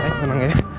sayang tenang ya